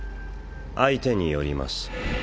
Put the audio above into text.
相手によります。